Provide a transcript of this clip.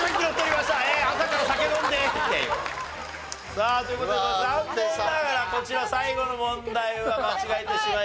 さあという事で残念ながらこちら最後の問題は間違えてしまいました。